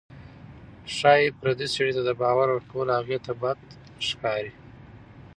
ښایي پردي سړي ته د بار ورکول هغې ته بد ښکاري.